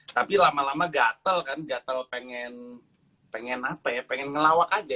tapi lama lama gatel kan gatel pengen apa ya pengen ngelawak aja